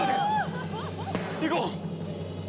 行こう！